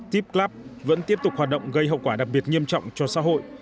tip club vẫn tiếp tục hoạt động gây hậu quả đặc biệt nghiêm trọng cho xã hội